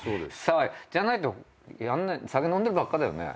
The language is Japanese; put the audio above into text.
じゃないと酒飲んでばっかだよね。